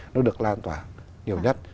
nó được lan tỏa nhiều nhất